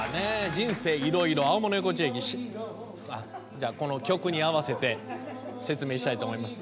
「人生いろいろ」じゃあこの曲に合わせて説明したいと思います。